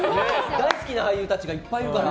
大好きな俳優たちがいっぱいいるから。